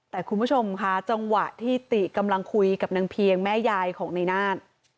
แต่คุณผู้ชมค่ะจังหวะที่ติกำลังคุยกับนางเพียงแม่ยายของในนาฏ